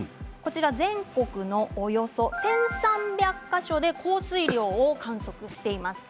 全国でおよそ１３００か所で降水量を観測しています。